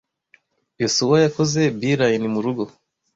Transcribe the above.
Yosuwa yakoze beeline murugo.